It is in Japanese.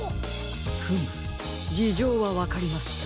フムじじょうはわかりました。